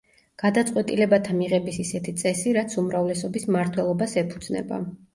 გადაწყვეტილებათა მიღების ისეთი წესი რაც უმრავლესობის მმართველობას ეფუძნება.